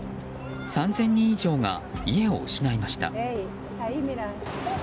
３０００人以上が家を失いました。